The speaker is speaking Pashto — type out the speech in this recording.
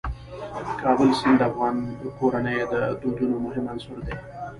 د کابل سیند د افغان کورنیو د دودونو مهم عنصر دی.